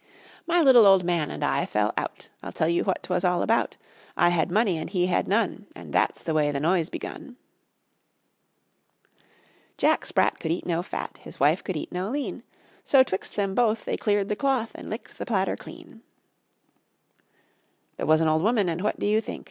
My little old man and I fell out; I'll tell you what 'twas all about: I had money and he had none, And that's the way the noise begun. Jack Sprat could eat no fat, His wife could eat no lean; So 'twixt them both they cleared the cloth, And licked the platter clean. There was an old woman, and what do you think?